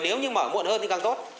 nếu như mở muộn hơn thì càng tốt